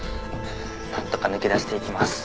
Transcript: なんとか抜け出して行きます。